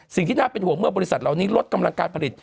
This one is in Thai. สิ่งที่น่าเป็นห่วงเมื่อบริษัทเหล่านี้ลดกำลังการผลิต